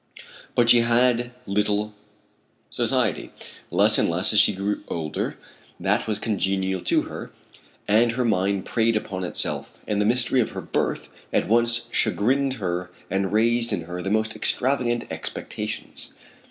But she had little society, less and less as she grew older that was congenial to her, and her mind preyed upon itself; and the mystery of her birth at once chagrined her and raised in her the most extravagant expectations.